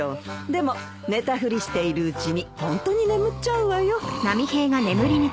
でも寝たふりしているうちにホントに眠っちゃうわよ。